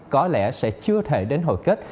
có lẽ sẽ chưa thể đến hồi kết